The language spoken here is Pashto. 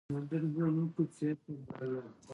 آب وهوا د افغان تاریخ په کتابونو کې ذکر شوی دي.